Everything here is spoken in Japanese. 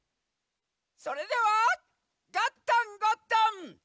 それでは「ガッタン＆ゴットン」。